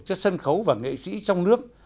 cho sân khấu và nghệ sĩ trong nước